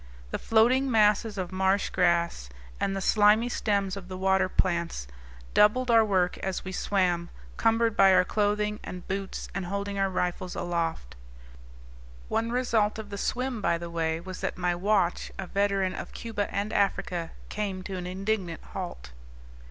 The floating masses of marsh grass, and the slimy stems of the water plants, doubled our work as we swam, cumbered by our clothing and boots and holding our rifles aloft. One result of the swim, by the way, was that my watch, a veteran of Cuba and Africa, came to an indignant halt.